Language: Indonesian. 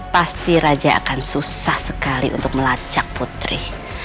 pasti raja akan susah sekali untuk melacak putri